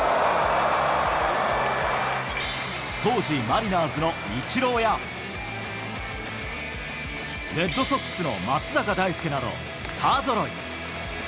当時マリナーズのイチローや、レッドソックスの松坂大輔など、スターぞろい。